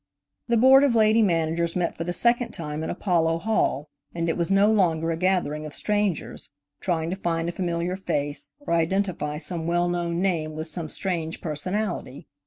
The Board of Lady Managers met for the second time in Apollo Hall, and it was no longer a gathering of strangers, trying to find a familiar face, or identify some well known name with some strange personality.